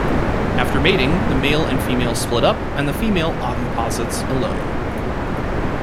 After mating the male and female split up and the female oviposits alone.